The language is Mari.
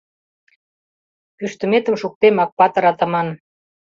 Кӱштыметым шуктем, Акпатыр-атаман.